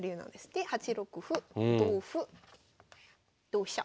で８六歩同歩同飛車。